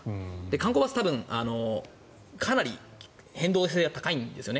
観光バスはかなり変動性が高いんですね。